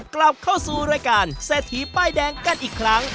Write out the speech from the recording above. กลับเข้าสู้โรยการแทพี้ป้ายแดงกันอีกครั้ง